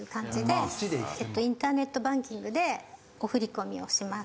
インターネットバンキングでお振込みをします。